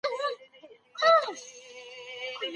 ولي ځيني هیوادونه پاسپورت نه مني؟